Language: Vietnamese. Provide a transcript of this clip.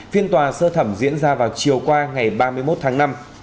phiên tòa sơ thẩm diễn ra vào chiều qua ngày ba mươi một tháng năm